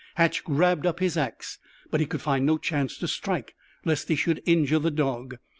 Hatch grabbed up his axe. But he could find no chance to strike, lest he should injure the dog.